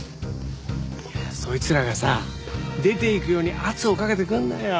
いやそいつらがさ出ていくように圧をかけてくるんだよ。